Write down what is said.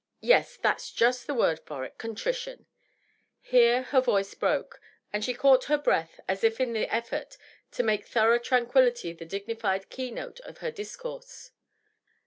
Yes, that's just the word for it — contrition 1" Here her voice broke, and she cau8;ht her breath, as if in the effort to make thorough tranquillity the dignified key note of her discourse.